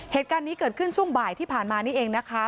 เหตุการณ์นี้เกิดขึ้นช่วงบ่ายที่ผ่านมานี่เองนะคะ